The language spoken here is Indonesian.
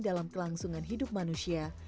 dalam kelangsungan hidup manusia